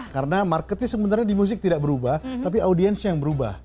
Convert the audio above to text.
karena marketnya sebenarnya di musik tidak berubah tapi audiensnya yang berubah